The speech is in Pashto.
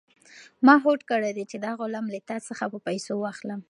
ما هوډ کړی دی چې دا غلام له تا څخه په پیسو واخلم.